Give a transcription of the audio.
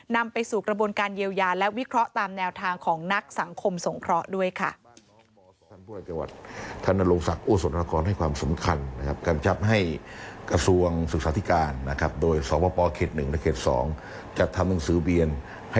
นำไปสู่กระบวนการเยียวยาและวิเคราะห์ตามแนวทางของนักสังคมสงเคราะห์ด้วยค่ะ